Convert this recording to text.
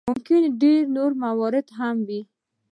ممکن ډېر نور موارد هم وي.